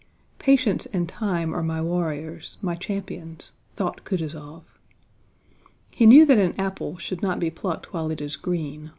Patience and time are my warriors, my champions," thought Kutúzov. He knew that an apple should not be plucked while it is green.